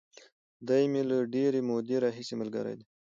دی مې له ډېرې مودې راهیسې ملګری دی.